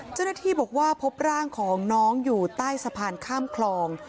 เจ้าหน้าที่บอกว่าพบร่างของน้องอยู่ใต้สะพานข้ามคลอง